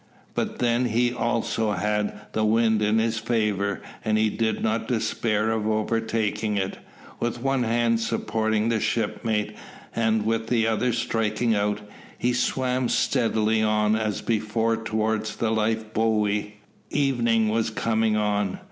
But then he also had the wind in his favour, and he did not despair of overtaking it. With one hand supporting his shipmate, and with the other striking out, he swam steadily on as before towards the life buoy. Evening was coming on.